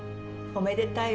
おめでたい？